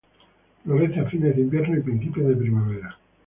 Florece a fines de invierno y principios de primavera.